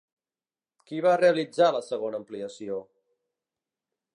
Qui va realitzar la segona ampliació?